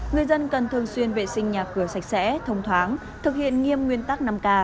người dân cần thường xuyên vệ sinh nhà cửa sạch sẽ thông thoáng thực hiện nghiêm nguyên tắc năm k